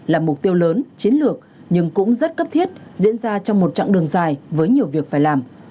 là mục tiêu lớn chiến lược nhưng cũng rất cấp thiết diễn ra trong một chặng đường dài với nhiều việc phải làm